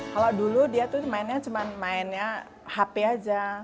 kalau dulu dia mainnya cuma main hp aja